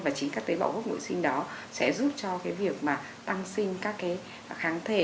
và chính các tế bào gốc nội sinh đó sẽ giúp cho cái việc mà ăn sinh các cái kháng thể